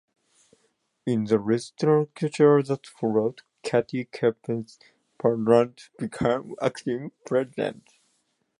In the restructure that followed, Katie Capps Parlante became acting President.